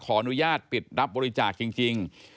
อนุญาตปิดรับบริจาคจริง